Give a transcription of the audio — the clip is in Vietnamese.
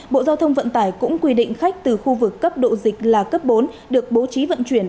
bộ giao thông vận tải cũng quy định khách từ khu vực cấp độ dịch là cấp bốn được bố trí vận chuyển